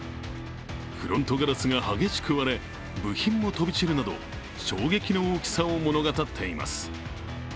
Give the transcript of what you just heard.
フロントガラスが激しく割れ部品も飛び散るなど衝撃の大きさを物語っています。